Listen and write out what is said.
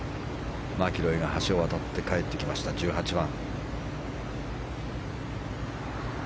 マキロイが橋を渡って帰ってきました、１８番。